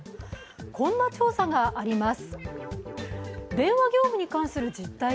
こんな調査があります。